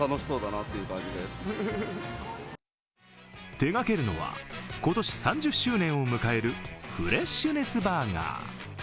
手がけるのは、今年３０周年を迎えるフレッシュネスバーガー。